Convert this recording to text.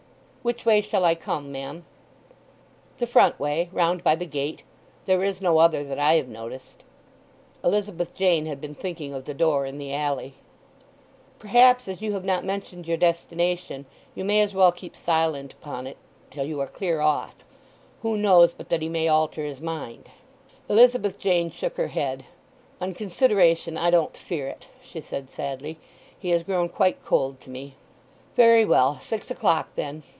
"Which way shall I come, ma'am?" "The front way—round by the gate. There is no other that I have noticed." Elizabeth Jane had been thinking of the door in the alley. "Perhaps, as you have not mentioned your destination, you may as well keep silent upon it till you are clear off. Who knows but that he may alter his mind?" Elizabeth Jane shook her head. "On consideration I don't fear it," she said sadly. "He has grown quite cold to me." "Very well. Six o'clock then."